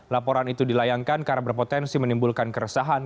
laporan itu dilayangkan karena berpotensi menimbulkan keresahan